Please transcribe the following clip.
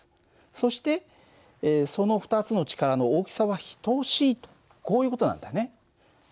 そしてその２つの力の大きさは等しいとこういう事なんだね。